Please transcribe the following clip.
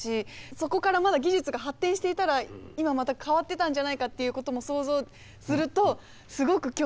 そこからまだ技術が発展していたら今また変わってたんじゃないかっていうことも想像するとすごく興味引かれましたね。